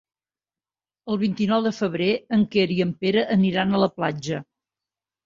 El vint-i-nou de febrer en Quer i en Pere aniran a la platja.